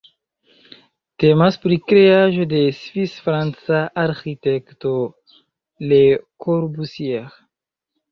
Temas pri kreaĵo de svis-franca arĥitekto Le Corbusier.